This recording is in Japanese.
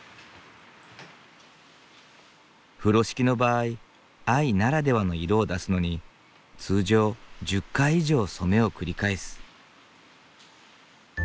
風呂敷の場合藍ならではの色を出すのに通常１０回以上染めを繰り返す。